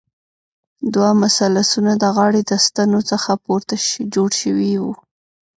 دوه مثلثونه د غاړې د ستنو څخه پورته جوړ شوي وو.